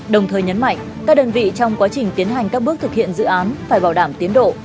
đồng thời nhấn mạnh các đơn vị trong quá trình tiến hành các bước thực hiện dự án phải bảo đảm tiến độ